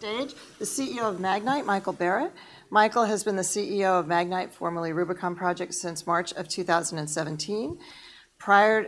stage, the CEO of Magnite, Michael Barrett. Michael has been the CEO of Magnite, formerly Rubicon Project, since March of 2017. Prior,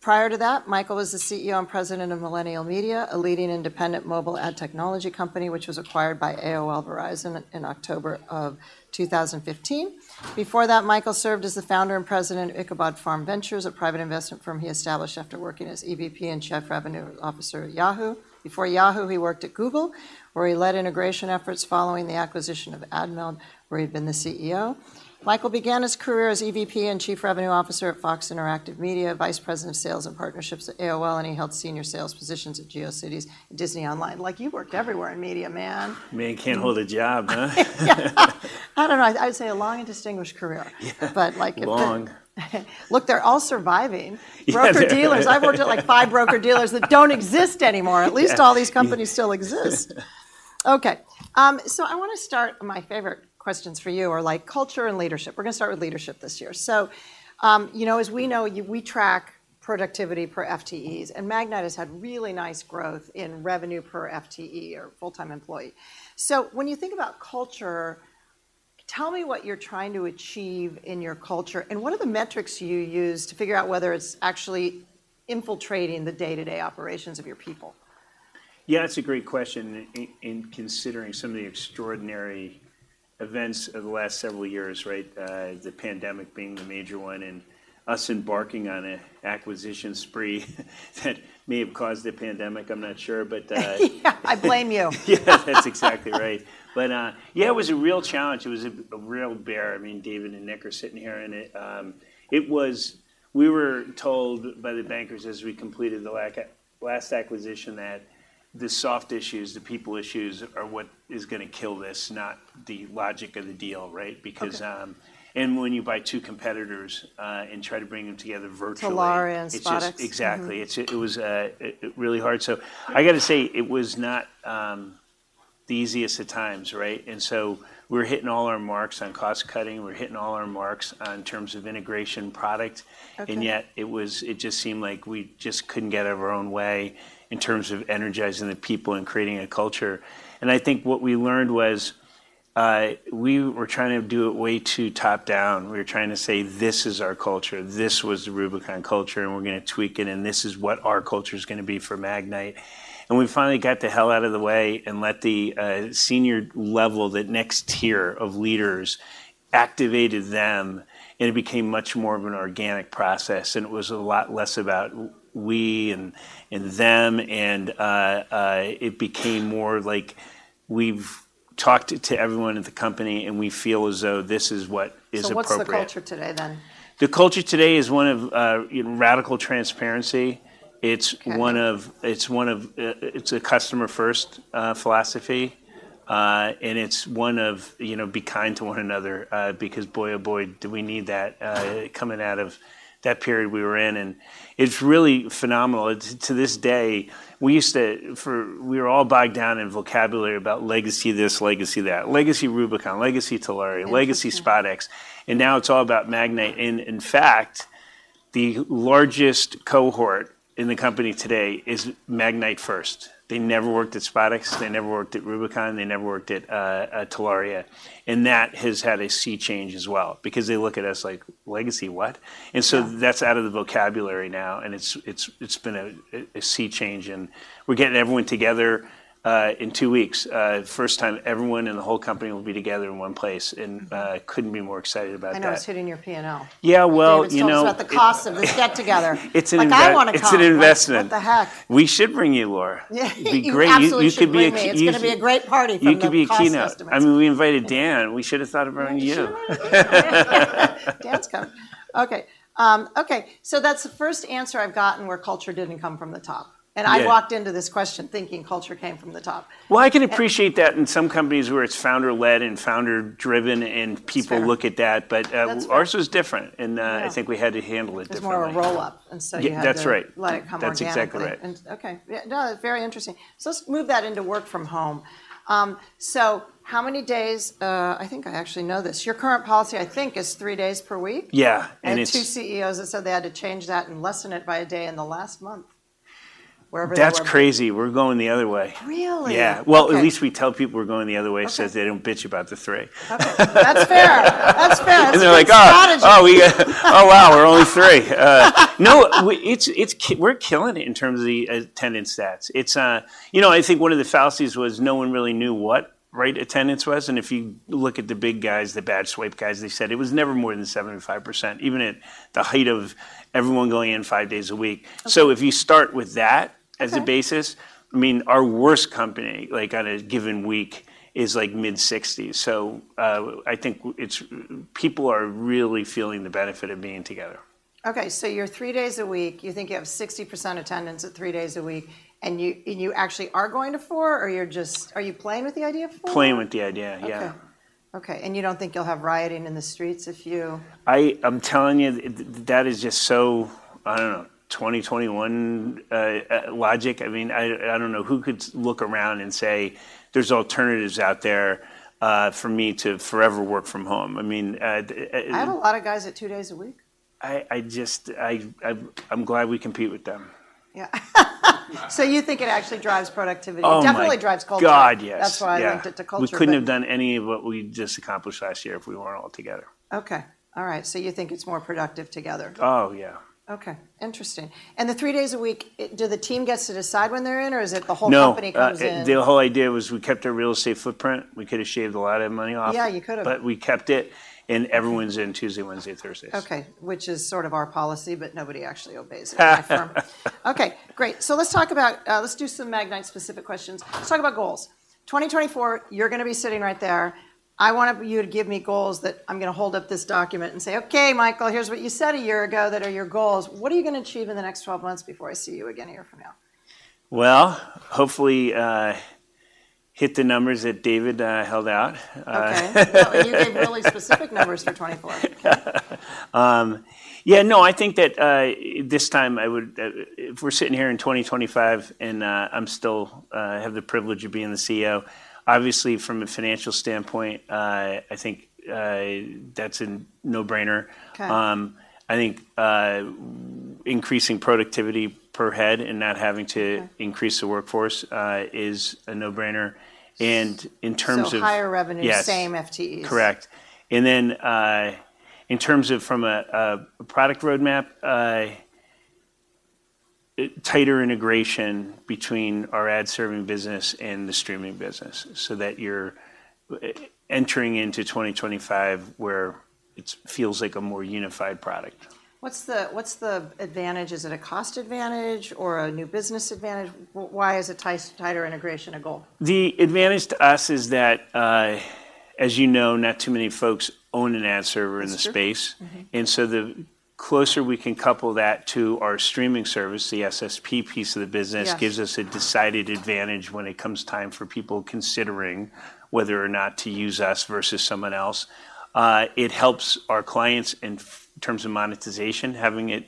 prior to that, Michael was the CEO and president of Millennial Media, a leading independent mobile ad technology company, which was acquired by AOL Verizon in October of 2015. Before that, Michael served as the founder and president of Ichabod Farm Ventures, a private investment firm he established after working as EVP and chief revenue officer at Yahoo! Before Yahoo, he worked at Google, where he led integration efforts following the acquisition of Admeld, where he'd been the CEO. Michael began his career as EVP and chief revenue officer at Fox Interactive Media, vice president of sales and partnerships at AOL, and he held senior sales positions at GeoCities and Disney Online. Like, you worked everywhere in media, man. Man can't hold a job, huh? I don't know. I'd say a long and distinguished career. Yeah. But, like- Long. Look, they're all surviving. Yeah. Broker-dealers. I've worked at, like, five broker-dealers that don't exist anymore. Yes. At least all these companies still exist. Okay, so I wanna start... My favorite questions for you are, like, culture and leadership. We're gonna start with leadership this year. So, you know, as we know, you-- we track productivity per FTEs, and Magnite has had really nice growth in revenue per FTE or full-time employee. So when you think about culture, tell me what you're trying to achieve in your culture, and what are the metrics you use to figure out whether it's actually infiltrating the day-to-day operations of your people? Yeah, that's a great question in considering some of the extraordinary events of the last several years, right? The pandemic being the major one, and us embarking on a acquisition spree that may have caused the pandemic. I'm not sure, but, Yeah. I blame you. Yeah. That's exactly right. But yeah, it was a real challenge. It was a real bear. I mean, David and Nick are sitting here, and it was. We were told by the bankers as we completed the last acquisition, that the soft issues, the people issues, are what is gonna kill this, not the logic of the deal, right? Okay. Because when you buy two competitors and try to bring them together virtually- Telaria and SpotX. It's just. Exactly. Mm-hmm. It was really hard. So I gotta say, it was not the easiest of times, right? And so we were hitting all our marks on cost cutting. We were hitting all our marks on terms of integration product. Okay. And yet it was. It just seemed like we just couldn't get out of our own way in terms of energizing the people and creating a culture. And I think what we learned was, we were trying to do it way too top down. We were trying to say: "This is our culture. This was the Rubicon culture, and we're gonna tweak it, and this is what our culture is gonna be for Magnite." And we finally got the hell out of the way and let the senior level, that next tier of leaders, activated them, and it became much more of an organic process, and it was a lot less about we and them. And it became more like we've talked to everyone at the company, and we feel as though this is what is appropriate. So what's the culture today, then? The culture today is one of, radical transparency. Okay. It's a customer first philosophy, and it's one of, you know, be kind to one another, because boy, oh, boy, do we need that, coming out of that period we were in, and it's really phenomenal. To this day, we were all bogged down in vocabulary about legacy this, legacy that. Legacy Rubicon, legacy Telaria- Mm-hmm ...legacy SpotX, and now it's all about Magnite. In fact, the largest cohort in the company today is Magnite first. They never worked at SpotX. They never worked at Rubicon. They never worked at Telaria, and that has had a sea change as well because they look at us like, "Legacy what? Yeah. So that's out of the vocabulary now, and it's been a sea change, and we're getting everyone together in two weeks. First time everyone in the whole company will be together in one place, and couldn't be more excited about that. I know it's hitting your P&L. Yeah, well, you know- David's told us about the cost of this get-together. It's an invest- Like, I want to come- It's an investment.... What the heck? We should bring you, Laura. Yeah. It'd be great. You absolutely should bring me. You should bring- It's gonna be a great party from the cost estimates. You could be a keynote. I mean, we invited Dan. We should have thought of inviting you. We should have invited you! Dan's coming. Okay. Okay, so that's the first answer I've gotten where culture didn't come from the top. Yeah. I walked into this question thinking culture came from the top. Well, I can appreciate that in some companies where it's founder led and founder driven, and- Sure... people look at that, but, That's fair... ours was different, and, Yeah... I think we had to handle it differently. It's more of a roll-up, and so you had to- Yeah, that's right.... like, come organically. That's exactly right. Okay. Yeah. No, very interesting. Let's move that into work from home. How many days, I think I actually know this. Your current policy, I think, is three days per week? Yeah, and it's- I had two CEOs that said they had to change that and lessen it by a day in the last month, wherever they were- That's crazy. We're going the other way. Really? Yeah. Okay. Well, at least we tell people we're going the other way- Okay... so they don't bitch about the three. Okay. That's fair. That's fair. They're like, "Ah- That's good strategy.... oh, we... Oh, wow, we're only three. No, we're killing it in terms of the attendance stats. It's... You know, I think one of the fallacies was no one really knew what, right, attendance was, and if you look at the big guys, the badge swipe guys, they said it was never more than 75%, even at the height of everyone going in five days a week. Okay. So if you start with that- Okay ... as a basis, I mean, our worst company, like, on a given week, is, like, mid-sixty. So, I think it's people are really feeling the benefit of being together. Okay, so you're three days a week. You think you have 60% attendance at three days a week, and you, and you actually are going to four, or you're just- Are you playing with the idea of four? Playing with the idea, yeah. Okay. Okay, and you don't think you'll have rioting in the streets if you- I'm telling you, that is just so, I don't know, 2021 logic. I mean, I don't know who could look around and say there's alternatives out there for me to forever work from home. I mean, I have a lot of guys at two days a week.... I'm glad we compete with them. Yeah. So you think it actually drives productivity? Oh, my- It definitely drives culture. God, yes! That's why I linked it to culture. We couldn't have done any of what we just accomplished last year if we weren't all together. Okay. All right, so you think it's more productive together? Oh, yeah. Okay, interesting. And the three days a week, do the team gets to decide when they're in, or is it the whole company comes in? No, the whole idea was we kept our real estate footprint. We could have shaved a lot of money off- Yeah, you could have. But we kept it, and everyone's in Tuesday, Wednesday, and Thursdays. Okay, which is sort of our policy, but nobody actually obeys it at my firm. Okay, great. So let's talk about, let's do some Magnite-specific questions. Let's talk about goals. 2024, you're gonna be sitting right there. I want you to give me goals that I'm gonna hold up this document and say, "Okay, Michael, here's what you said a year ago that are your goals." What are you gonna achieve in the next 12 months before I see you again a year from now? Well, hopefully, hit the numbers that David held out. Okay. Well, you gave really specific numbers for 2024. Yeah, no, I think that this time I would, if we're sitting here in 2025, and I'm still have the privilege of being the CEO, obviously from a financial standpoint, I think that's a no-brainer. Okay. I think, increasing productivity per head and not having to- Okay... increase the workforce, is a no-brainer. And in terms of- Higher revenue- Yes... same FTEs. Correct. And then, in terms of from a product roadmap, tighter integration between our ad-serving business and the streaming business, so that you're entering into 2025, where it feels like a more unified product. What's the advantage? Is it a cost advantage or a new business advantage? Why is tighter integration a goal? The advantage to us is that, as you know, not too many folks own an Ad server in the space. Mm-hmm. The closer we can couple that to our streaming service, the SSP piece of the business- Yes... gives us a decided advantage when it comes time for people considering whether or not to use us versus someone else. It helps our clients in terms of monetization, having it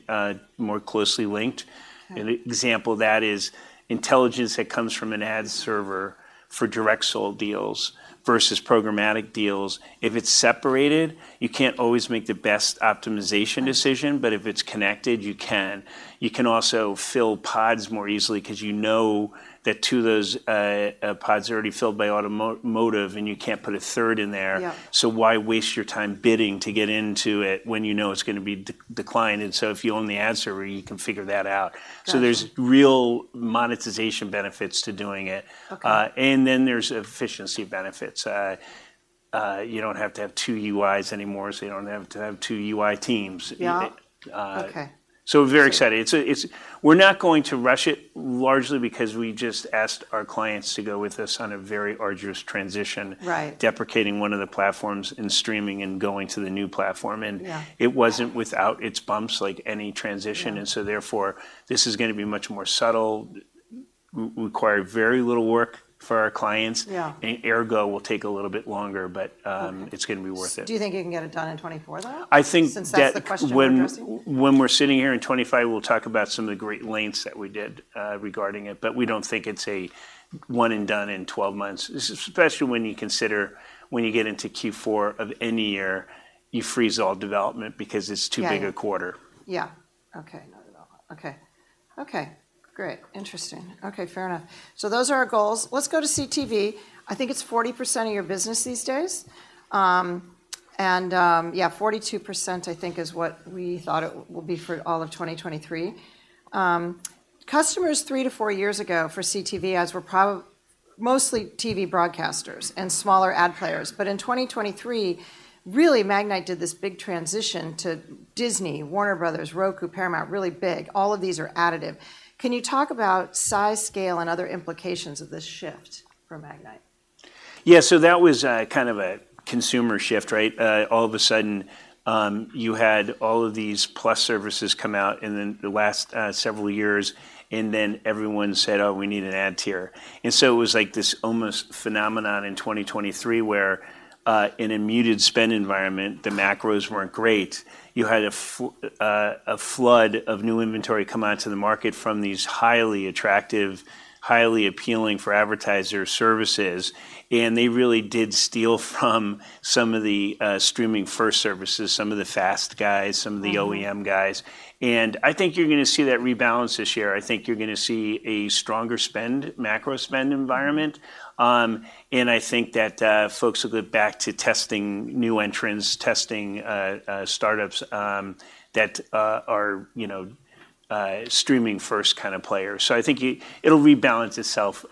more closely linked. Okay. An example of that is intelligence that comes from an Ad server for direct sold deals versus programmatic deals. If it's separated, you can't always make the best optimization decision- Right... but if it's connected, you can. You can also fill pods more easily because you know that two of those pods are already filled by automotive, and you can't put a third in there. Yeah. Why waste your time bidding to get into it when you know it's gonna be declined? So if you own the Ad server, you can figure that out. Got you. There's real monetization benefits to doing it. Okay. And then there's efficiency benefits. You don't have to have two UIs anymore, so you don't have to have two UI teams. Yeah. Uh... Okay. So very exciting. It's -- we're not going to rush it, largely because we just asked our clients to go with us on a very arduous transition- Right... deprecating one of the platforms and streaming and going to the new platform, and- Yeah... it wasn't without its bumps, like any transition. Yeah. Therefore, this is gonna be much more subtle, require very little work for our clients. Yeah. Ergo, will take a little bit longer, but, Okay... it's gonna be worth it. Do you think you can get it done in 24, though? I think that- Since that's the question we're addressing. When, when we're sitting here in 25, we'll talk about some of the great lengths that we did regarding it. Okay. But we don't think it's a one and done in 12 months, especially when you consider when you get into Q4 of any year, you freeze all development because it's too- Yeah... big a quarter. Yeah. Okay. Not at all. Okay. Okay, great. Interesting. Okay, fair enough. So those are our goals. Let's go to CTV. I think it's 40% of your business these days. And, yeah, 42%, I think, is what we thought it would be for all of 2023. Customers three to four years ago for CTV ads were probably mostly TV broadcasters and smaller ad players. But in 2023, really, Magnite did this big transition to Disney, Warner Bros., Roku, Paramount, really big. All of these are additive. Can you talk about size, scale, and other implications of this shift for Magnite? Yeah, so that was a kind of a consumer shift, right? All of a sudden, you had all of these plus services come out in the last several years, and then everyone said: "Oh, we need an ad tier." And so it was like this almost phenomenon in 2023, where in a muted spend environment, the macros weren't great. You had a flood of new inventory come out to the market from these highly attractive- highly appealing for advertiser services, and they really did steal from some of the streaming-first services, some of the FAST guys Mm-hmm. Some of the OEM guys. I think you're gonna see that rebalance this year. I think you're gonna see a stronger spend, macro spend environment. And I think that folks will go back to testing new entrants, testing startups that are, you know, streaming-first kind of players. I think it'll rebalance itself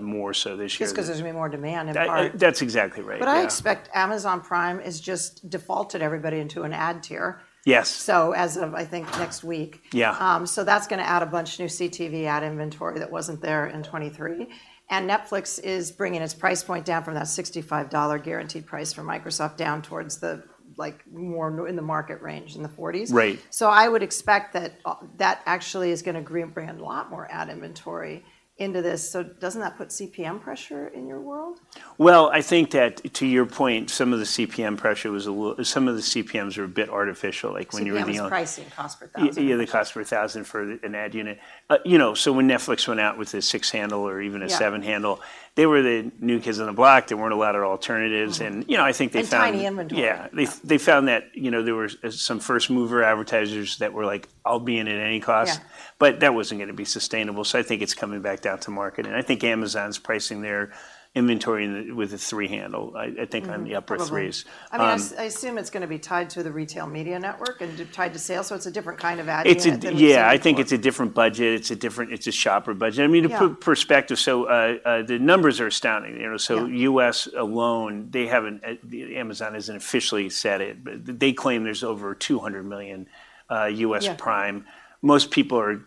more so this year. Just 'cause there's gonna be more demand in part. That, that's exactly right. Yeah. I expect Amazon Prime has just defaulted everybody into an ad tier- Yes. So as of, I think, next week. Yeah. So that's gonna add a bunch of new CTV ad inventory that wasn't there in 2023, and Netflix is bringing its price point down from that $65 guaranteed price for Microsoft down towards the, like, more normal in the market range, in the 40s. Right. I would expect that that actually is gonna bring a lot more ad inventory into this. So doesn't that put CPM pressure in your world? Well, I think that, to your point, some of the CPMs were a bit artificial, like when you were being- CPM is pricing, cost per thousand. Yeah, the cost per thousand for an ad unit. You know, so when Netflix went out with a six-handle or even- Yeah A 7-handle, they were the new kids on the block. There weren't a lot of alternatives. Mm-hmm. You know, I think they found- Tiny inventory. Yeah. Yeah. They found that, you know, there were some first mover advertisers that were like, "I'll be in at any cost. Yeah. But that wasn't gonna be sustainable, so I think it's coming back down to market. And I think Amazon's pricing their inventory with a three-handle, I think— Mm... on the upward threes. Probably. Um- I mean, I assume it's gonna be tied to the retail media network and tied to sales, so it's a different kind of ad unit than we've seen before. Yeah, I think it's a different budget. It's a shopper budget. Yeah. I mean, to put perspective, so, the numbers are astounding, you know? Yeah. So, U.S. alone, they haven't, Amazon hasn't officially said it, but they claim there's over 200 million U.S. Prime. Yeah. Most people are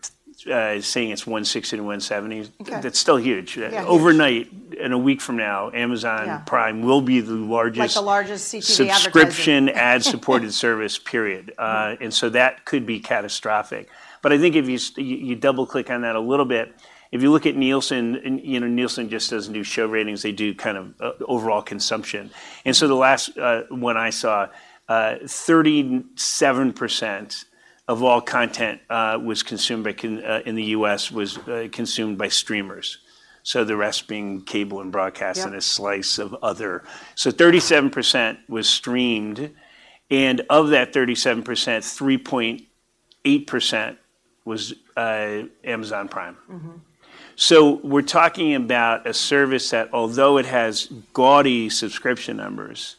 saying it's 160 million-170 million. Okay. That's still huge. Yeah, huge. Overnight, in a week from now, Amazon- Yeah... Prime will be the largest- Like, the largest CTV advertiser. subscription ad-supported service, period. Mm-hmm. And so that could be catastrophic. But I think if you double-click on that a little bit, if you look at Nielsen, and, you know, Nielsen just doesn't do show ratings. They do kind of overall consumption. And so the last one I saw, 37% of all content in the U.S. was consumed by streamers. So the rest being cable and broadcast- Yeah... and a slice of other. So 37% was streamed, and of that 37%, 3.8% was Amazon Prime. Mm-hmm. We're talking about a service that, although it has gaudy subscription numbers,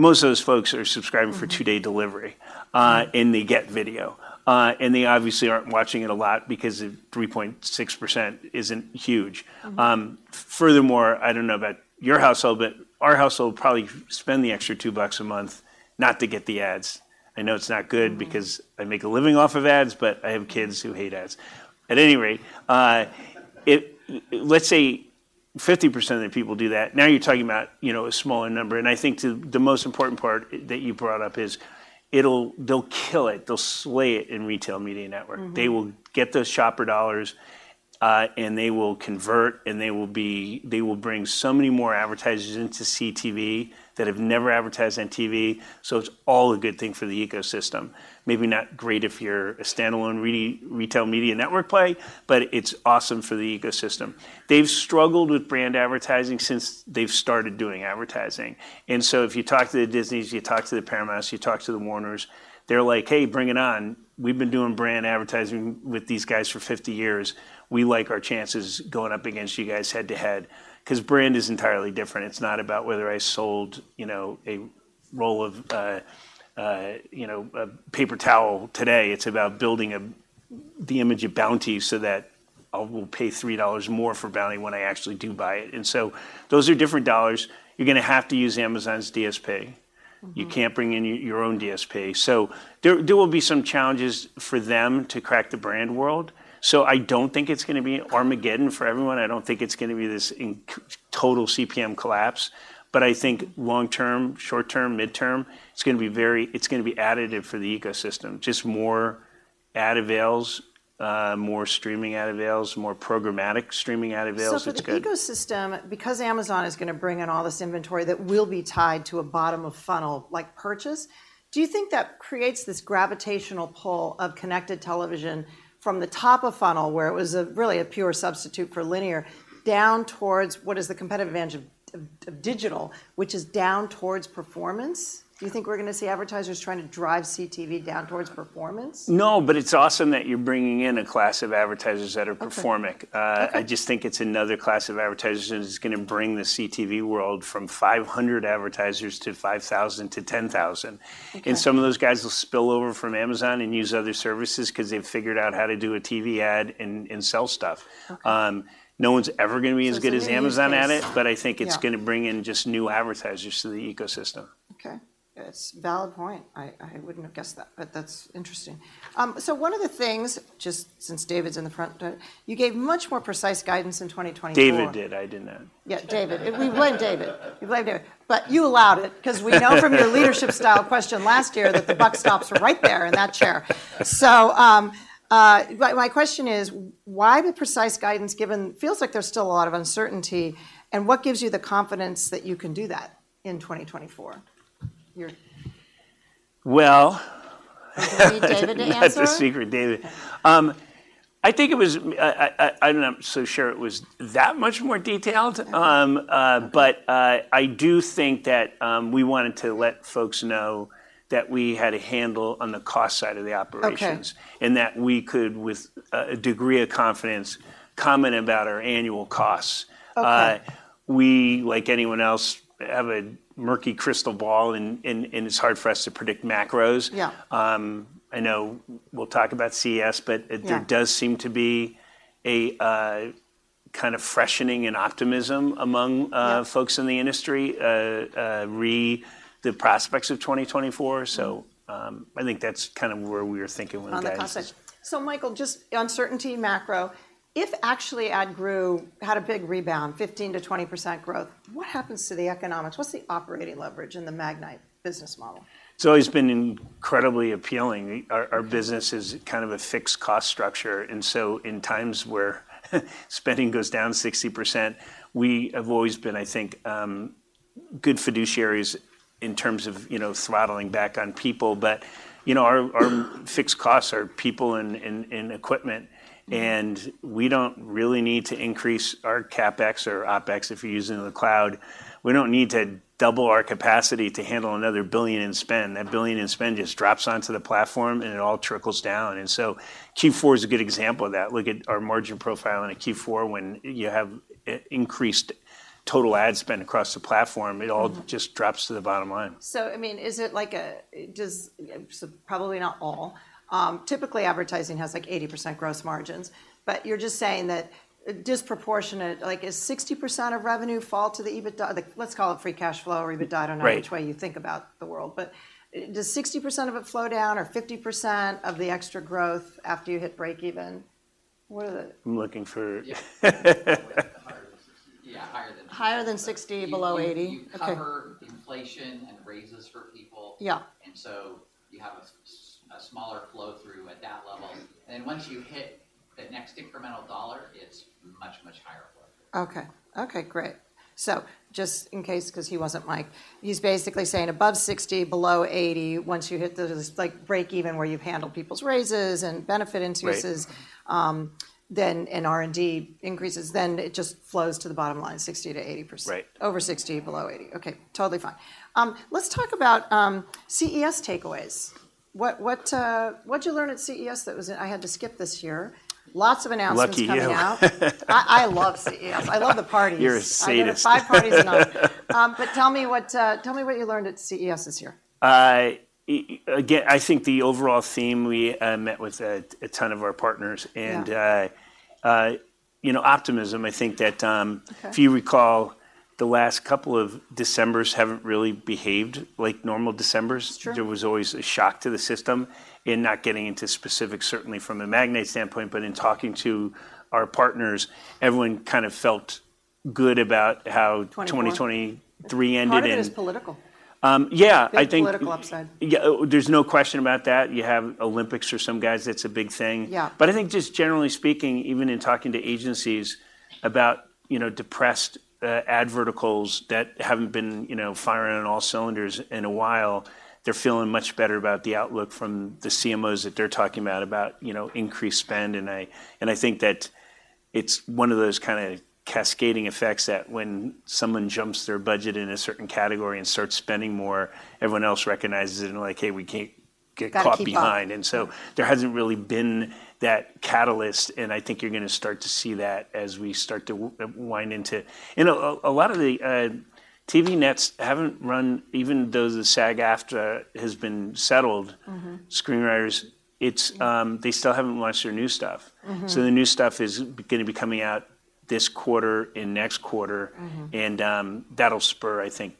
most of those folks are subscribing. Mm-hmm... for two-day delivery, and they get video. And they obviously aren't watching it a lot because 3.6% isn't huge. Mm-hmm. Furthermore, I don't know about your household, but our household would probably spend the extra $2 a month not to get the ads. I know it's not good- Mm-hmm... because I make a living off of ads, but I have kids who hate ads. At any rate, let's say 50% of the people do that. Now you're talking about, you know, a smaller number, and I think, too, the most important part that you brought up is they'll kill it. They'll slay it in retail media network. Mm-hmm. They will get those shopper dollars, and they will convert, and they will bring so many more advertisers into CTV that have never advertised on TV. So it's all a good thing for the ecosystem. Maybe not great if you're a standalone retail media network play, but it's awesome for the ecosystem. They've struggled with brand advertising since they've started doing advertising. And so if you talk to the Disneys, you talk to the Paramounts, you talk to the Warners, they're like: "Hey, bring it on. We've been doing brand advertising with these guys for 50 years. We like our chances going up against you guys head-to-head," 'cause brand is entirely different. It's not about whether I sold, you know, a roll of, you know, a paper towel today. It's about building the image of Bounty so that I will pay $3 more for Bounty when I actually do buy it. And so those are different dollars. You're gonna have to use Amazon's DSP. Mm-hmm. You can't bring in your own DSP. So there will be some challenges for them to crack the brand world. So I don't think it's gonna be Armageddon for everyone. I don't think it's gonna be this total CPM collapse. But I think long term, short term, mid-term, it's gonna be very... It's gonna be additive for the ecosystem. Just more ad avails, more streaming ad avails, more programmatic streaming ad avails. It's gonna- So for the ecosystem, because Amazon is gonna bring in all this inventory that will be tied to a bottom-of-funnel, like, purchase, do you think that creates this gravitational pull of connected television from the top of funnel, where it was really a pure substitute for linear, down towards what is the competitive advantage of digital, which is down towards performance? Do you think we're gonna see advertisers trying to drive CTV down towards performance? No, but it's awesome that you're bringing in a class of advertisers that are performing. Okay. Okay. I just think it's another class of advertisers, and it's gonna bring the CTV world from 500 advertisers to 5,000 advertisers, to 10,000 advertisers. Okay. Some of those guys will spill over from Amazon and use other services 'cause they've figured out how to do a TV ad and sell stuff. Okay. No one's ever gonna be as good as Amazon at it- So it's gonna be a new place. but I think it's Yeah... gonna bring in just new advertisers to the ecosystem. Okay. It's a valid point. I wouldn't have guessed that, but that's interesting. So one of the things, just since David's in the front row, you gave much more precise guidance in 2024. David did. I did not. Yeah, David. We blame David. We blame David. But you allowed it, 'cause we know from your leadership style question last year that the buck stops right there in that chair. So, my question is, why the precise guidance, given it feels like there's still a lot of uncertainty, and what gives you the confidence that you can do that in 2024 year?... Well, You need David to answer? That's a secret, David. I think it was, I don't know, I'm so sure it was that much more detailed. But I do think that we wanted to let folks know that we had a handle on the cost side of the operations- Okay... and that we could, with, a degree of confidence, comment about our annual costs. Okay. We, like anyone else, have a murky crystal ball, and it's hard for us to predict macros. Yeah. I know we'll talk about CES, but- Yeah... there does seem to be a kind of freshening and optimism among, Yeah... folks in the industry re the prospects of 2024. So, I think that's kind of where we were thinking when the guys- On the concept. So, Michael, just uncertainty, macro. If actually ad grew, had a big rebound, 15%-20% growth, what happens to the economics? What's the operating leverage in the Magnite business model? It's always been incredibly appealing. Our business is kind of a fixed cost structure, and so in times where spending goes down 60%, we have always been, I think, good fiduciaries in terms of, you know, throttling back on people. But, you know, our fixed costs are people and equipment, and we don't really need to increase our CapEx or OpEx if we're using the cloud. We don't need to double our capacity to handle another $1 billion in spend. That $1 billion in spend just drops onto the platform, and it all trickles down. And so Q4 is a good example of that. Look at our margin profile in a Q4, when you have increased total ad spend across the platform- Mm-hmm... it all just drops to the bottom line. So, I mean, is it like a, just, so probably not all. Typically, advertising has, like, 80% gross margins. But you're just saying that disproportionate—like, does 60% of revenue fall to the EBITDA? Let's call it free cash flow or EBITDA- Right... I don't know which way you think about the world. But does 60% of it flow down, or 50% of the extra growth after you hit break even? What are the- I'm looking for... Yeah, higher than 60. Yeah, higher than 60. Higher than 60, below 80. Okay. You cover inflation and raises for people- Yeah... and so you have a smaller flow through at that level. And then once you hit the next incremental dollar, it's much, much higher flow through. Okay. Okay, great. So just in case, 'cause he wasn't Mike, he's basically saying above 60, below 80, once you hit the, like, break even, where you've handled people's raises and benefit increases- Right... then, and R&D increases, then it just flows to the bottom line, 60%-80%. Right. Over 60, below 80. Okay, totally fine. Let's talk about CES takeaways. What, what'd you learn at CES that was. I had to skip this year. Lots of announcements coming out. Lucky you. I love CES. I love the parties. You're a sadist. I did five parties a night. But tell me what you learned at CES this year? I again, I think the overall theme, we met with a ton of our partners- Yeah... and, you know, optimism, I think that, Okay... if you recall, the last couple of Decembers haven't really behaved like normal Decembers. Sure. There was always a shock to the system. Not getting into specifics, certainly from a Magnite standpoint, but in talking to our partners, everyone kind of felt good about how- Twenty twenty-four... 2023 ended, and- Part of it is political. Yeah, I think- Big political upside. Yeah, there's no question about that. You have Olympics or some guys, that's a big thing. Yeah. But I think just generally speaking, even in talking to agencies about, you know, depressed ad verticals that haven't been, you know, firing on all cylinders in a while, they're feeling much better about the outlook from the CMOs that they're talking about, about, you know, increased spend. And I, and I think that it's one of those kind of cascading effects, that when someone jumps their budget in a certain category and starts spending more, everyone else recognizes it and like, "Hey, we can't get caught behind. Got to keep up. And so there hasn't really been that catalyst, and I think you're gonna start to see that as we start to wind into... You know, a lot of the TV nets haven't run, even though the SAG-AFTRA has been settled- Mm-hmm... screenwriters, it's, they still haven't launched their new stuff. Mm-hmm. The new stuff is gonna be coming out this quarter and next quarter. Mm-hmm. And, that'll spur, I think,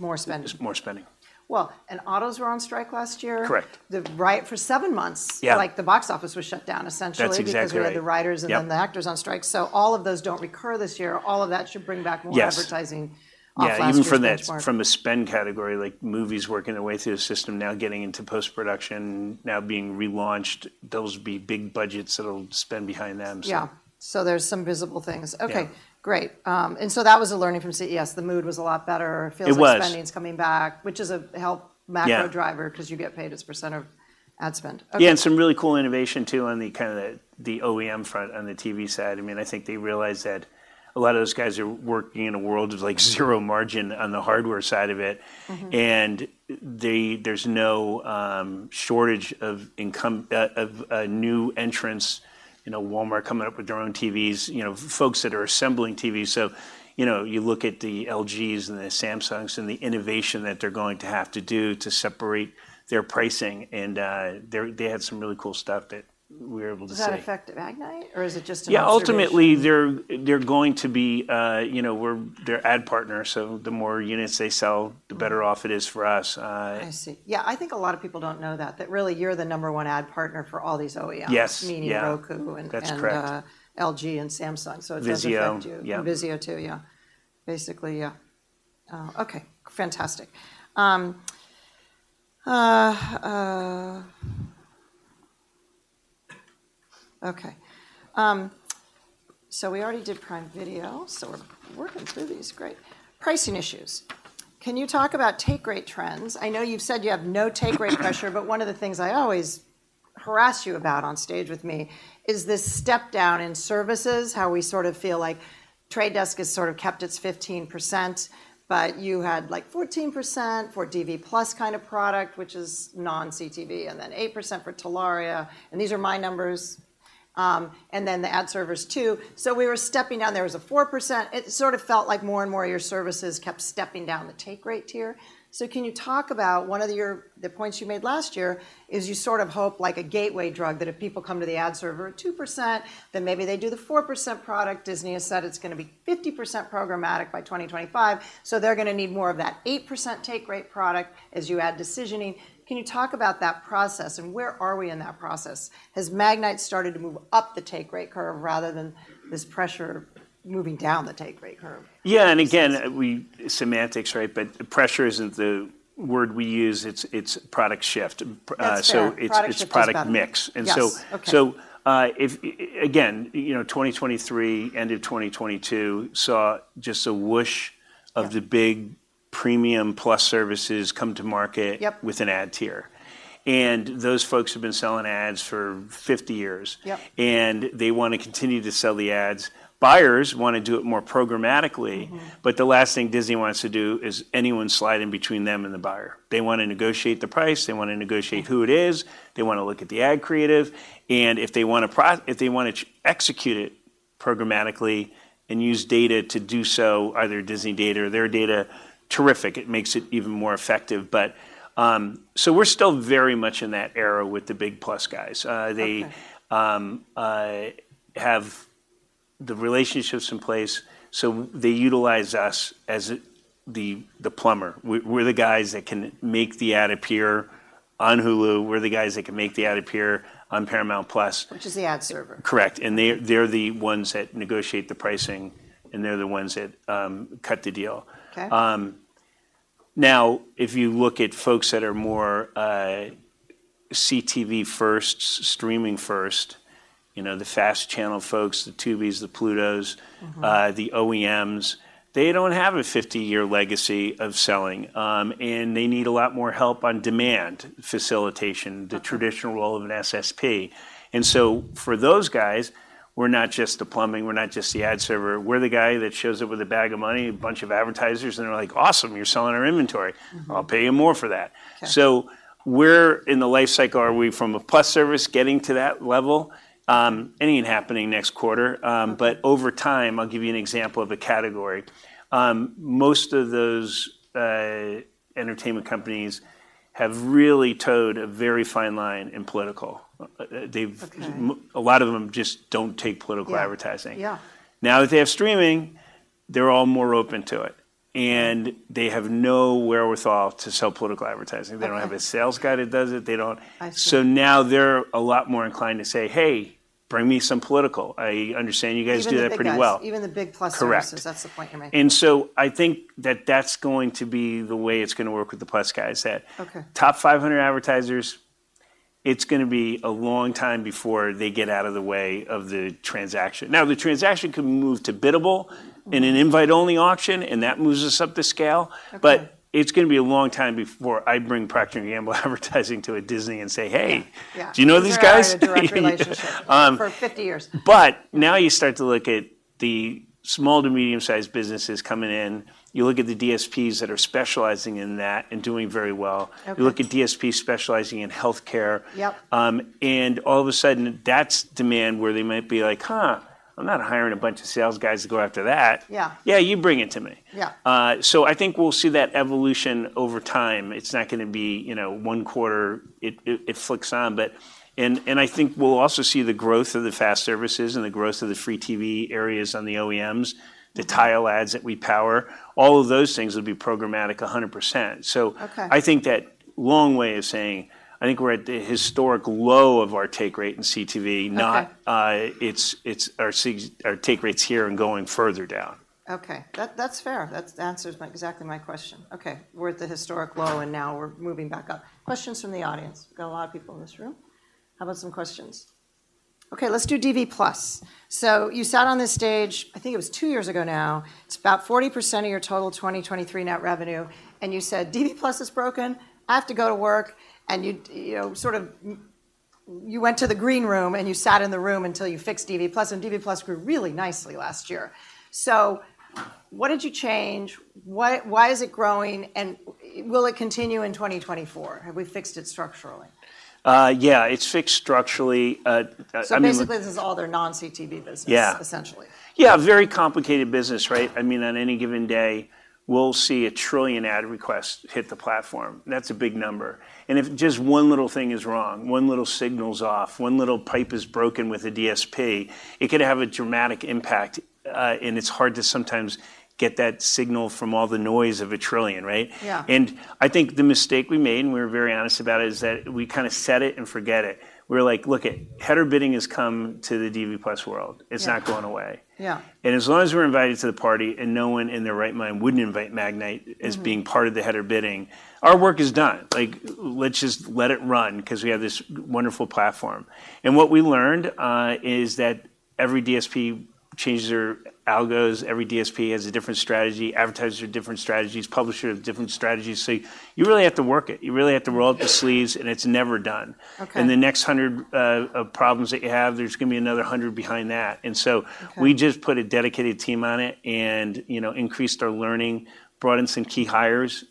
More spending... more spending. Well, and autos were on strike last year. Correct. Right, for 7 months- Yeah... like, the box office was shut down, essentially. That's exactly right.... because you had the writers- Yeah... and then the actors on strike. So all of those don't recur this year. All of that should bring back more- Yes... advertising off last year's benchmark. Yeah, even from a spend category, like, movies working their way through the system, now getting into post-production, now being relaunched, those will be big budgets that'll spend behind them, so. Yeah. So there's some visible things. Yeah. Okay, great. That was a learning from CES. The mood was a lot better. It was... feels like spending is coming back, which is a helpful macro driver- Yeah... 'cause you get paid as a % of ad spend. Okay. Yeah, and some really cool innovation, too, on the kind of the OEM front, on the TV side. I mean, I think they realized that a lot of those guys are working in a world of, like, zero margin on the hardware side of it. Mm-hmm. There's no shortage of new entrants, you know, Walmart coming up with their own TVs, you know, folks that are assembling TVs. So, you know, you look at the LGs and the Samsungs and the innovation that they're going to have to do to separate their pricing, and they had some really cool stuff that we're able to see. Does that affect the Magnite, or is it just an observation? Yeah, ultimately, they're going to be, you know, we're their ad partner, so the more units they sell- Mm-hmm... the better off it is for us, I see. Yeah, I think a lot of people don't know that, that really, you're the number one ad partner for all these OEMs. Yes, yeah. Meaning Roku and- That's correct... and, LG and Samsung, so it does- Vizio... affect you. Yeah. Vizio, too, yeah. Basically, yeah. Okay, fantastic. Okay. So we already did Prime Video, so we're working through these. Great. Pricing issues. Can you talk about take rate trends? I know you've said you have no take rate pressure, but one of the things I always harass you about on stage with me is this step-down in services, how we sort of feel like Trade Desk has sort of kept its 15%, but you had, like, 14% for DV+ kind of product, which is non-CTV, and then 8% for Telaria, and these are my numbers, and then the ad servers, too. So we were stepping down. There was a 4%-- it sort of felt like more and more of your services kept stepping down the take rate tier. So can you talk about one of the points you made last year, is you sort of hope like a gateway drug, that if people come to the ad server at 2%, then maybe they do the 4% product. Disney has said it's gonna be 50% programmatic by 2025, so they're gonna need more of that 8% take rate product as you add decisioning. Can you talk about that process, and where are we in that process? Has Magnite started to move up the take rate curve rather than this pressure moving down the take rate curve? Yeah, and again, semantics, right? But pressure isn't the word we use. It's product shift. That's fair. So it's- Product shift is better.... it's product mix. Yes. And so- Okay. So, again, you know, 2023, end of 2022, saw just a whoosh- Yeah... of the big premium plus services come to market- Yep... with an ad tier. Those folks have been selling ads for 50 years. Yep. They want to continue to sell the ads. Buyers want to do it more programmatically- Mm-hmm... but the last thing Disney wants to do is anyone slide in between them and the buyer. They want to negotiate the price. They want to negotiate who it is. They want to look at the ad creative, and if they want to execute it programmatically and use data to do so, either Disney data or their data, terrific. It makes it even more effective. But, so we're still very much in that era with the big plus guys. They- Okay have the relationships in place, so they utilize us as the plumber. We're the guys that can make the ad appear on Hulu. We're the guys that can make the ad appear on Paramount+. Which is the Ad server. Correct. And they, they're the ones that negotiate the pricing, and they're the ones that cut the deal. Okay. Now, if you look at folks that are more, CTV first, streaming first, you know, the FAST channel folks, the Tubis, the Plutos Mm-hmm... the OEMs, they don't have a 50-year legacy of selling, and they need a lot more help on demand facilitation- Uh-huh... the traditional role of an SSP. So for those guys, we're not just the plumbing, we're not just the ad server, we're the guy that shows up with a bag of money, a bunch of advertisers, and they're like: "Awesome, you're selling our inventory. Mm-hmm. I'll pay you more for that. Okay. So where in the life cycle are we from a plus service getting to that level? Anything happening next quarter, but over time, I'll give you an example of a category. Most of those entertainment companies have really toed a very fine line in political. They've- Okay... a lot of them just don't take political advertising. Yeah. Yeah. Now that they have streaming, they're all more open to it, and they have no wherewithal to sell political advertising. They don't have a sales guy that does it. They don't- I see. Now they're a lot more inclined to say: "Hey, bring me some political. I understand you guys do that pretty well. Even the big guys. Even the big plus services- Correct. That's the point you're making. And so I think that that's going to be the way it's gonna work with the plus guys, that- Okay... top 500 advertisers, it's gonna be a long time before they get out of the way of the transaction. Now, the transaction can move to biddable in an invite-only auction, and that moves us up the scale. Okay. But it's gonna be a long time before I bring Procter & Gamble advertising to a Disney and say: "Hey- Yeah. Yeah.... do you know these guys? They already have a direct relationship- Um... for 50 years. Now you start to look at the small to medium-sized businesses coming in. You look at the DSPs that are specializing in that and doing very well. Okay. You look at DSPs specializing in healthcare. Yep. And all of a sudden, that's demand, where they might be like: "Huh, I'm not hiring a bunch of sales guys to go after that. Yeah. Yeah, you bring it to me. Yeah. So I think we'll see that evolution over time. It's not gonna be, you know, one quarter, it flicks on. But I think we'll also see the growth of the FAST services and the growth of the free TV areas on the OEMs, the tile ads that we power, all of those things will be programmatic 100%. So- Okay... I think that long way of saying, I think we're at the historic low of our take rate in CTV, not- Okay... it's our take rate's here and going further down. Okay, that's fair. That's answers exactly my question. Okay, we're at the historic low, and now we're moving back up. Questions from the audience. We've got a lot of people in this room. How about some questions? Okay, let's do DV+. So you sat on this stage, I think it was two years ago now. It's about 40% of your total 2023 net revenue, and you said: "DV+ is broken. I have to go to work." And you know, sort of you went to the green room, and you sat in the room until you fixed DV+, and DV+ grew really nicely last year. So what did you change? Why is it growing, and will it continue in 2024? Have we fixed it structurally? Yeah, it's fixed structurally. I mean- Basically, this is all their non-CTV business- Yeah... essentially. Yeah, very complicated business, right? I mean, on any given day, we'll see 1 trillion ad requests hit the platform. That's a big number, and if just one little thing is wrong, one little signal's off, one little pipe is broken with a DSP, it could have a dramatic impact. And it's hard to sometimes get that signal from all the noise of 1 trillion, right? Yeah. And I think the mistake we made, and we're very honest about it, is that we kinda set it and forget it. We're like: "Look, header bidding has come to the DV+ world. Yeah. It's not going away. Yeah. As long as we're invited to the party, and no one in their right mind wouldn't invite Magnite- Mm-hmm... as being part of the header bidding, our work is done. Like, let's just let it run, 'cause we have this wonderful platform." And what we learned is that every DSP changes their algos. Every DSP has a different strategy, advertisers have different strategies, publisher have different strategies. So you really have to work it. You really have to roll up the sleeves, and it's never done. Okay. The next 100 problems that you have, there's gonna be another 100 behind that. And so- Okay... we just put a dedicated team on it and, you know, increased our learning, brought in some key hires.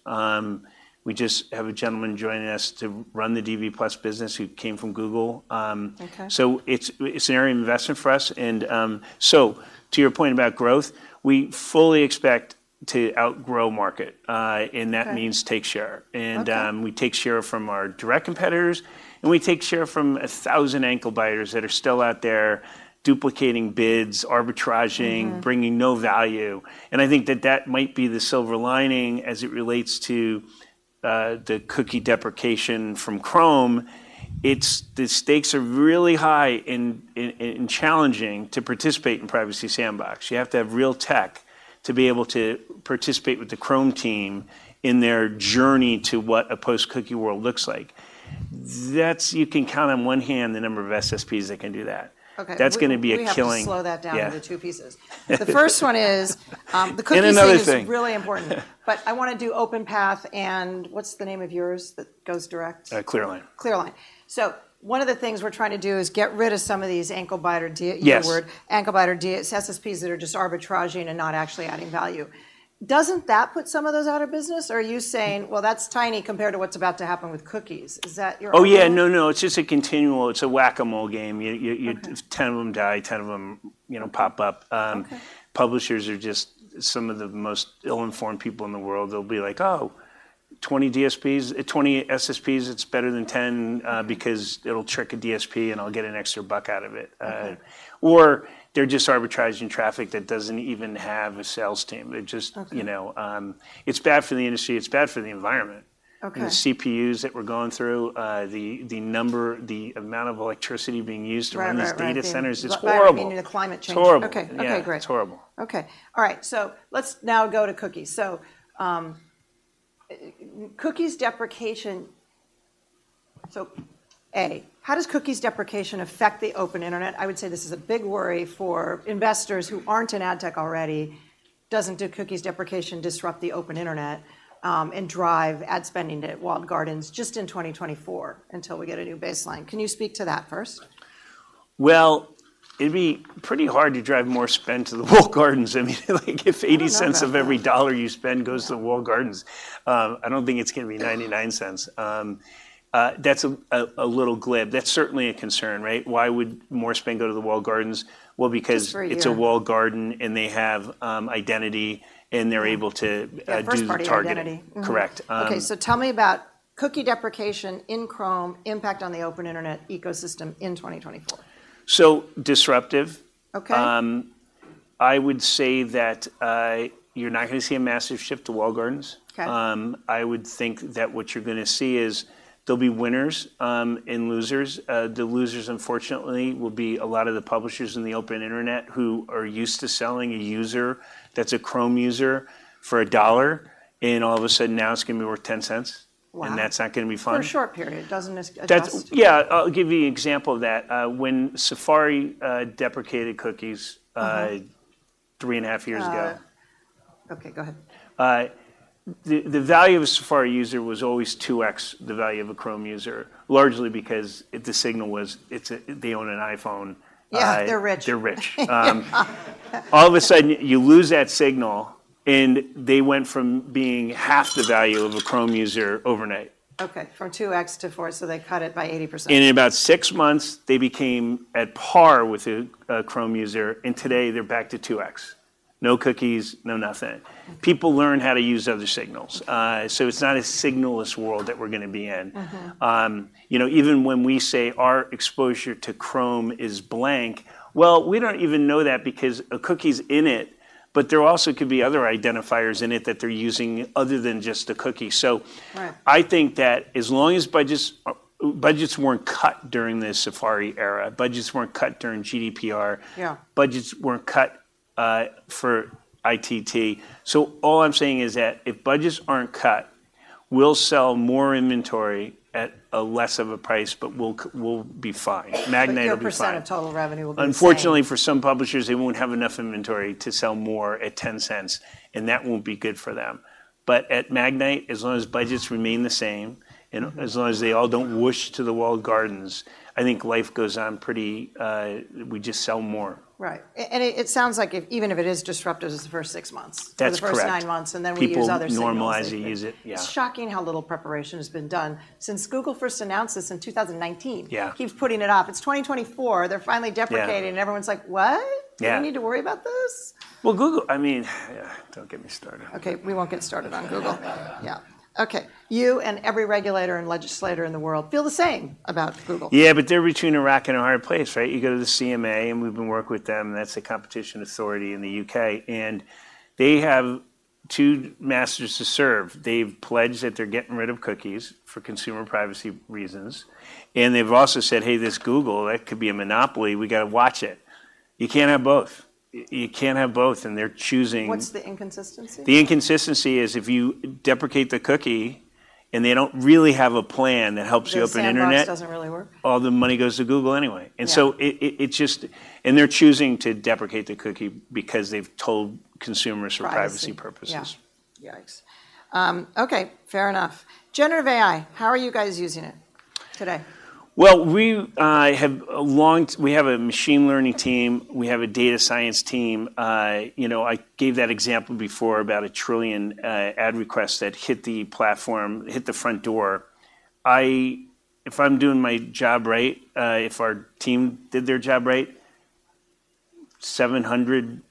We just have a gentleman joining us to run the DV+ business, who came from Google. Okay. It's an area of investment for us. So to your point about growth, we fully expect to outgrow market. Okay... and that means take share. Okay. And, we take share from our direct competitors, and we take share from 1,000 ankle biters that are still out there, duplicating bids, arbitraging- Mm-hmm... bringing no value. And I think that that might be the silver lining as it relates to the cookie deprecation from Chrome. It's the stakes are really high in challenging to participate in Privacy Sandbox. You have to have real tech to be able to participate with the Chrome team in their journey to what a post-cookie world looks like. That's you can count on one hand the number of SSPs that can do that. Okay. That's gonna be a killing- We have to slow that down- Yeah... into two pieces. The first one is, the cookie thing- And another thing.... is really important. Yeah. But I wanna do OpenPath, and what's the name of yours that goes direct? Uh, ClearLine. ClearLine. So one of the things we're trying to do is get rid of some of these ankle biter D- Yes ...your word, ankle-biter SSPs that are just arbitraging and not actually adding value. Doesn't that put some of those out of business, or are you saying: "Well, that's tiny compared to what's about to happen with cookies?" Is that your- Oh, yeah. No, no, it's just a continual... It's a whack-a-mole game. You... Okay... 10 of them die, 10 of them, you know, pop up. Okay... publishers are just some of the most ill-informed people in the world. They'll be like: "Oh, 20 DSPs, 20 SSPs, it's better than 10, because it'll trick a DSP, and I'll get an extra buck out of it. Okay ... or they're just arbitraging traffic that doesn't even have a sales team. It just- Okay... you know, it's bad for the industry, it's bad for the environment. Okay. The CPUs that we're going through, the number, the amount of electricity being used- Right, right, right... to run these data centers is horrible. What might mean to climate change. It's horrible. Okay. Yeah. Okay, great. It's horrible. Okay. All right, so let's now go to cookies. So, cookie deprecation. So, a, how does cookie deprecation affect the open internet? I would say this is a big worry for investors who aren't in ad tech already. Doesn't cookie deprecation disrupt the open internet, and drive ad spending to walled gardens just in 2024 until we get a new baseline? Can you speak to that first? Well, it'd be pretty hard to drive more spend to the walled gardens. I mean, like, if $0.80 of every dollar you spend goes to walled gardens, I don't think it's gonna be $0.99. That's a little glib. That's certainly a concern, right? Why would more spend go to the walled gardens? Well, because- Just for a year.... it's a walled garden, and they have identity, and they're able to- Yeah, first-party identity... do the targeting. Correct. Okay, so tell me about cookie deprecation in Chrome, impact on the open internet ecosystem in 2024. So disruptive. Okay. I would say that, you're not gonna see a massive shift to walled gardens. Okay. I would think that what you're gonna see is there'll be winners and losers. The losers, unfortunately, will be a lot of the publishers in the open internet who are used to selling a user that's a Chrome user for $1, and all of a sudden now, it's gonna be worth $0.10. Wow! That's not gonna be fun. For a short period, doesn't this adjust? Yeah, I'll give you an example of that. When Safari deprecated cookies- Mm-hmm... 3.5 years ago- Okay, go ahead. The value of a Safari user was always 2x the value of a Chrome user. Largely, because if the signal was, they own an iPhone. Yeah, they're rich. They're rich. All of a sudden, you lose that signal, and they went from being half the value of a Chrome user overnight. Okay, from 2x to 4x, so they cut it by 80%. In about six months, they became at par with a Chrome user, and today, they're back to 2x. No cookies, no nothing. Mm. People learn how to use other signals. So it's not a signal-less world that we're gonna be in. Mm-hmm. You know, even when we say our exposure to Chrome is blank, well, we don't even know that because a cookie's in it, but there also could be other identifiers in it that they're using other than just the cookie. So- Right... I think that as long as budgets, Budgets weren't cut during the Safari era. Budgets weren't cut during GDPR. Yeah. Budgets weren't cut for ITT. So all I'm saying is that if budgets aren't cut, we'll sell more inventory at a less of a price, but we'll be fine. Magnite will be fine. But your percent of total revenue will be the same? Unfortunately, for some publishers, they won't have enough inventory to sell more at $0.10, and that won't be good for them. But at Magnite, as long as budgets remain the same, and as long as they all don't whoosh to the walled gardens, I think life goes on pretty. We just sell more. Right. And it sounds like if, even if it is disruptive, it's the first six months. That's correct. Or the first nine months, and then we use other signals- People normalize. They use it. Yeah. It's shocking how little preparation has been done since Google first announced this in 2019. Yeah. Keeps putting it off. It's 2024, they're finally deprecating- Yeah... and everyone's like: "What? Yeah. Do we need to worry about this? Well, Google, I mean, don't get me started. Okay, we won't get started on Google. Yeah. Okay. You and every regulator and legislator in the world feel the same about Google. Yeah, but they're between a rock and a hard place, right? You go to the CMA, and we've been working with them, that's the competition authority in the U.K., and they have two masters to serve. They've pledged that they're getting rid of cookies for consumer privacy reasons, and they've also said: "Hey, this Google, that could be a monopoly. We gotta watch it." You can't have both. You can't have both, and they're choosing- What's the inconsistency? The inconsistency is if you deprecate the cookie and they don't really have a plan that helps you open internet. The Sandbox doesn't really work? All the money goes to Google anyway. Yeah. And so it just- And they're choosing to deprecate the cookie because they've told consumers- Privacy... for privacy purposes. Yeah. Yikes. Okay, fair enough. Generative AI, how are you guys using it today? Well, we have a machine learning team. We have a data science team. You know, I gave that example before about 1 trillion ad requests that hit the platform, hit the front door. If I'm doing my job right, if our team did their job right, 700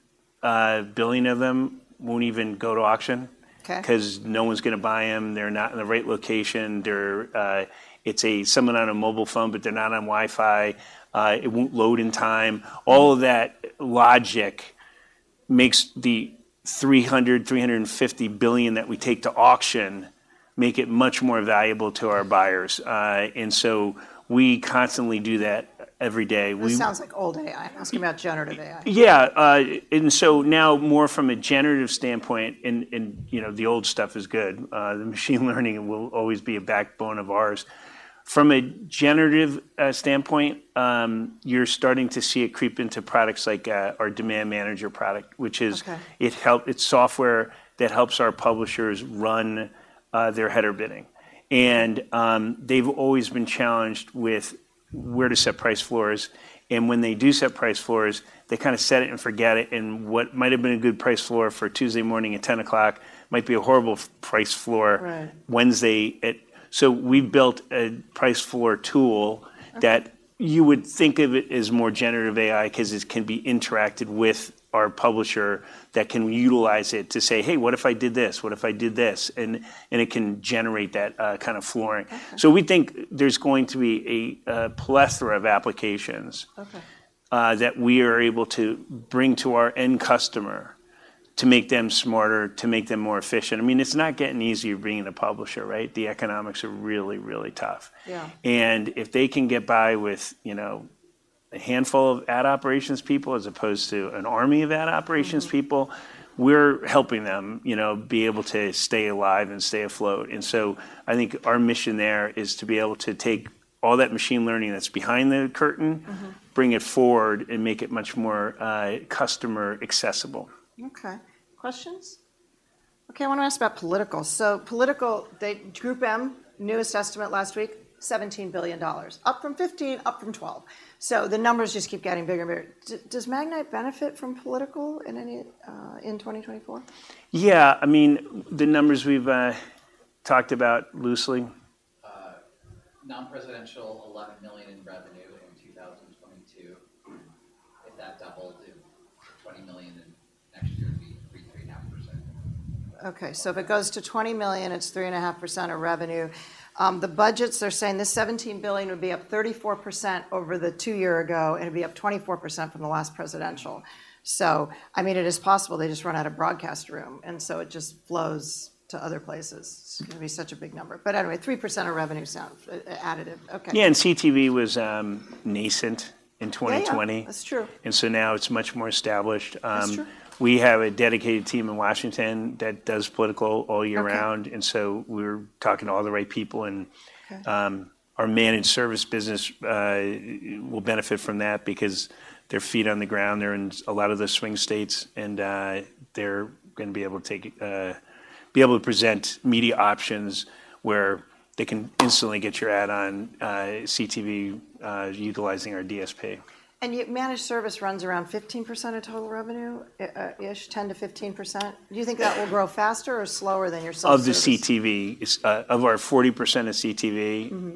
billion of them won't even go to auction. Okay. 'Cause no one's gonna buy them. They're not in the right location. They're... It's someone on a mobile phone, but they're not on Wi-Fi. It won't load in time. All of that logic makes the 350 billion that we take to auction make it much more valuable to our buyers. And so we constantly do that every day. We- This sounds like old AI. I'm asking about generative AI. Yeah, and so now, more from a generative standpoint, you know, the old stuff is good. The machine learning will always be a backbone of ours. From a generative standpoint, you're starting to see it creep into products like our Demand Manager product, which is- Okay. It's software that helps our publishers run their header bidding. And they've always been challenged with where to set price floors. And when they do set price floors, they kinda set it and forget it, and what might have been a good price floor for Tuesday morning at 10:00 A.M. might be a horrible price floor- Right... Wednesday at. So we built a price floor tool. Okay... that you would think of it as more generative AI 'cause it can be interacted with our publisher, that can utilize it to say, "Hey, what if I did this? What if I did this?" And it can generate that kind of flooring. Okay. So we think there's going to be a plethora of applications- Okay... that we are able to bring to our end customer to make them smarter, to make them more efficient. I mean, it's not getting easier being a publisher, right? The economics are really, really tough. Yeah. If they can get by with, you know, a handful of ad operations people, as opposed to an army of ad operations people- Mm-hmm.... we're helping them, you know, be able to stay alive and stay afloat. And so I think our mission there is to be able to take all that machine learning that's behind the curtain- Mm-hmm... bring it forward, and make it much more, customer-accessible. Okay. Questions? Okay, I wanna ask about political. So political, they, GroupM, newest estimate last week, $17 billion, up from $15 billion, up from $12 billion. So the numbers just keep getting bigger and bigger. Does Magnite benefit from political in any, in 2024? Yeah, I mean, the numbers we've talked about loosely. Non-presidential $11 million in revenue in 2022. If that doubled to $20 million in next year, it'd be 3%-3.5%. Okay, so if it goes to $20 million, it's 3.5% of revenue. The budgets are saying this $17 billion would be up 34% over the two year ago, and it'd be up 24% from the last presidential. So, I mean, it is possible they just run out of broadcast room, and so it just flows to other places. It's gonna be such a big number. But anyway, 3% of revenue sound additive. Okay. Yeah, and CTV was nascent in 2020. Yeah, yeah. That's true. Now it's much more established. That's true. We have a dedicated team in Washington that does political all year round. Okay. So we're talking to all the right people, and- Okay... our managed service business will benefit from that because their feet on the ground. They're in a lot of the swing states, and they're gonna be able to present media options where they can instantly get your ad on CTV, utilizing our DSP. And yet, managed service runs around 15% of total revenue, ish, 10%-15%? Do you think that will grow faster or slower than your self-service? Of the CTV, it's of our 40% of CTV- Mm-hmm...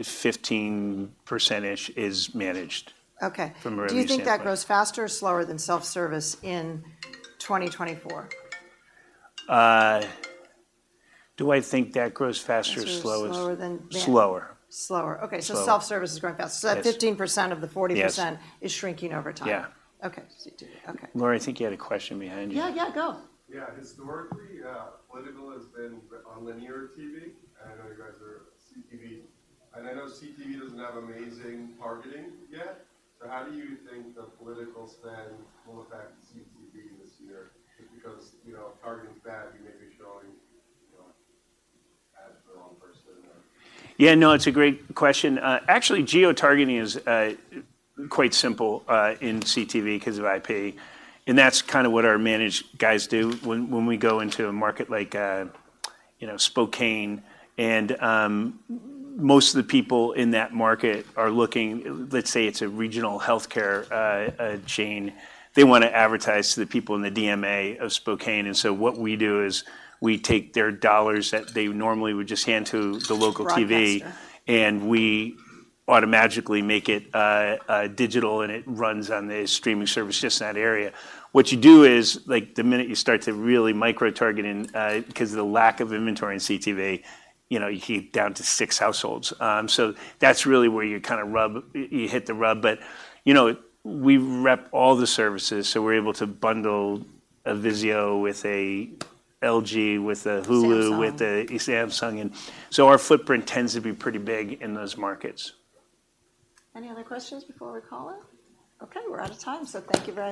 15%-ish is managed- Okay… from early standpoint. Do you think that grows faster or slower than self-service in 2024? Do I think that grows faster or slower than- Slower than that. Slower. Slower. Okay. Slower. Self-service is growing faster. Yes. So that 15% of the 40%- Yes... is shrinking over time? Yeah. Okay. CTV, okay. Laurie, I think you had a question behind you. Yeah, yeah, go. Yeah. Historically, political has been on linear TV, and I know you guys are CTV. I know CTV doesn't have amazing targeting yet, so how do you think the political spend will affect CTV this year? Because, you know, targeting is bad, you may be showing, you know, ad to the wrong person or- Yeah, no, it's a great question. Actually, geo-targeting is quite simple in CTV 'cause of IP, and that's kind of what our managed guys do when we go into a market like, you know, Spokane. And, most of the people in that market are looking-- Let's say, it's a regional healthcare chain. They wanna advertise to the people in the DMA of Spokane, and so what we do is we take their dollars that they normally would just hand to the local TV- Broadcaster... and we automatically make it digital, and it runs on the streaming service just in that area. What you do is, like, the minute you start to really micro-target in, because of the lack of inventory in CTV, you know, you keep it down to six households. So that's really where you kind of rub... you hit the rub. But, you know, we rep all the services, so we're able to bundle a Vizio with a LG, with a Hulu- Samsung... with a Samsung, and so our footprint tends to be pretty big in those markets. Any other questions before we call it? Okay, we're out of time, so thank you very much.